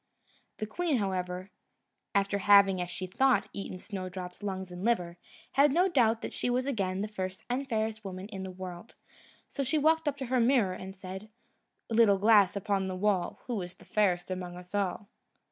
The queen, however, after having, as she thought, eaten Snowdrop's lungs and liver, had no doubt that she was again the first and fairest woman in the world; so she walked up to her mirror, and said: "Little glass upon the wall, Who is fairest among us all?"